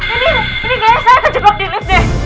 ini ini gaya saya terjebak di lift deh